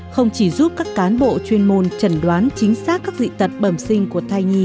không chỉ giúp các cán bộ chuyên môn trần đoán chính xác các dị tật bẩm sinh của thai nhi